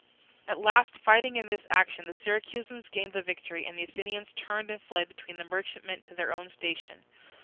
At last, fighting hard in this fashion, the Syracusans gained the victory, and the Athenians turned and fled between the merchantmen to their own station.